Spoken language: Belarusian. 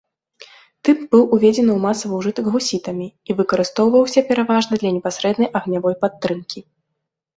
Тып быў уведзены ў масавы ўжытак гусітамі і выкарыстоўваўся пераважна для непасрэднай агнявой падтрымкі.